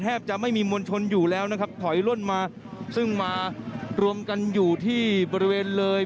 จะไม่มีมวลชนอยู่แล้วนะครับถอยล่นมาซึ่งมารวมกันอยู่ที่บริเวณเลย